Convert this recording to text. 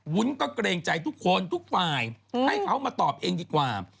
วุ้นก็เกรงใจทุกคนทุกฝ่ายให้เขามาตอบเองดีกว่า